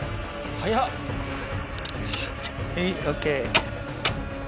はいＯＫ。